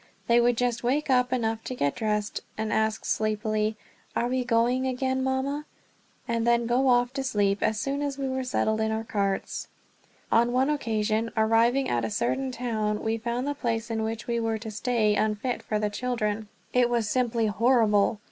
They would just wake up enough to get dressed and ask sleepily, "Are we going again, Mama?" and then go off to sleep as soon as we were settled in our carts. On one occasion, arriving at a certain town, we found the place in which we were to stay unfit for the children. It was simply horrible.